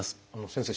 先生。